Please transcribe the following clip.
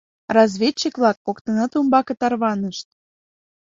Разведчик-влак коктынат умбаке тарванышт.